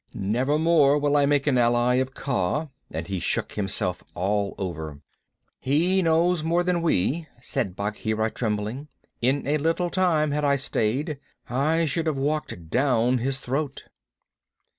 "Never more will I make an ally of Kaa," and he shook himself all over. "He knows more than we," said Bagheera, trembling. "In a little time, had I stayed, I should have walked down his throat."